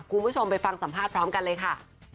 คุณผู้ชมไปฟังสัมภาษณ์พร้อมกันเลยค่ะ